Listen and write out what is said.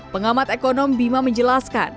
pengamat ekonom bima menjelaskan